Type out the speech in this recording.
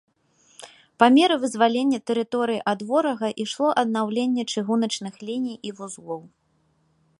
Па меры вызвалення тэрыторыі ад ворага ішло аднаўленне чыгуначных ліній і вузлоў.